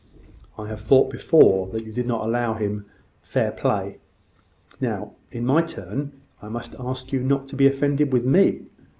I have thought before that you did not allow him fair play. Now, in my turn, I must ask you not to be offended with me."